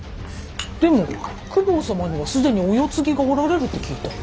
でも公方様には既にお世継ぎがおられるって聞いたよ。